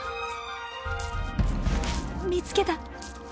見つけた！